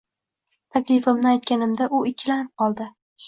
Taklifimni aytganimda u ikkilanib qoldi